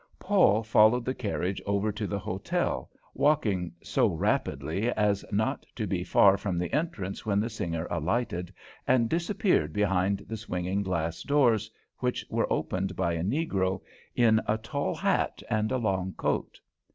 Paul followed the carriage over to the hotel, walking so rapidly as not to be far from the entrance when the singer alighted and disappeared behind the swinging glass doors which were opened by a negro in a tall hat and a long coat.